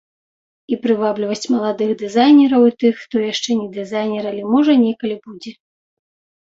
І прывабліваць маладых дызайнераў і тых, хто яшчэ не дызайнер, але, можа, некалі будзе.